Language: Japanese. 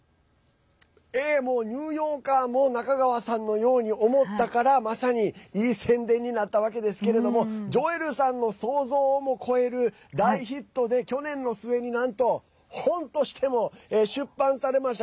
もう、ニューヨーカーも中川さんのように思ったからまさに、いい宣伝になったわけですけれどもジョエルさんの想像をも超える大ヒットで去年の末に、なんと本としても出版されました。